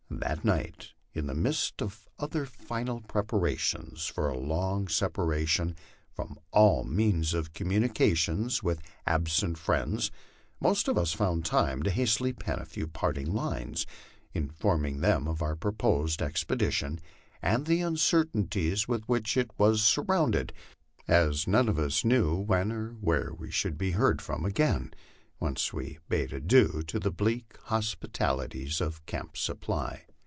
That night, in the midst of other final preparations for a long separation from all means of communication with absent friends, most of us found time to hastily pen a few parting lines, informing them of our proposed expedition, and the uncertainties with which it was surrounded, as none of us knew when or where we should be heard from again once we bade adieu to the bleak hospitalities of Camp Supply.